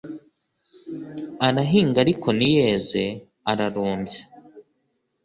arahinga ariko ntiyeze, ararumbya